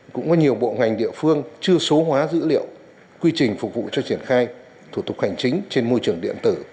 cũng có nhiều bộ ngành địa phương chưa số hóa dữ liệu quy trình phục vụ cho triển khai thủ tục hành chính trên môi trường điện tử